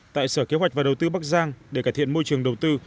tại sở kế hoạch và đầu tư bắc giang để cải thiện môi trường đầu tư